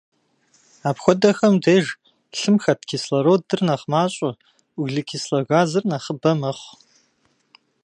Апхуэдэхэм деж лъым хэт кислородыр нэхъ мащӏэ, углекислэ газыр нэхъыбэ мэхъу.